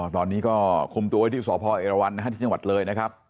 ตอนนี้ก็คุมตัวไว้ที่สพเอราวันที่จังหวัดเลยนะครับ